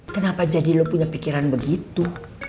kenapa jadi lo punya pikiran begitu